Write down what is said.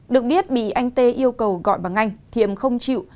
được biết bị anh t yêu cầu gọi bằng anh thiệm không chịu